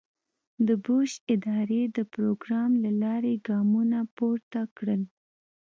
د بوش ادارې د پروګرام له لارې ګامونه پورته کړل.